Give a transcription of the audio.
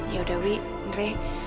yaudah wi andre